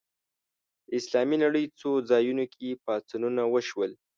د اسلامي نړۍ څو ځایونو کې پاڅونونه وشول